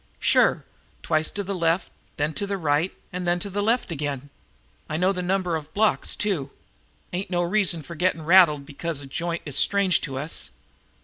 "Sure! Twice to the left, then to the right, and then to the left again. I know the number of blocks, too. Ain't no reason for getting rattled just because a joint is strange to us.